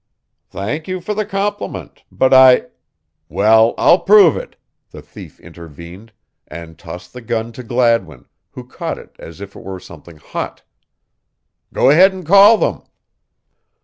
"Thank you for the compliment, but I" "Well, I'll prove it," the thief intervened, and tossed the gun to Gladwin, who caught it as if it were something hot. "Go ahead and call them."